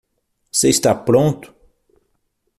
Você está pronto?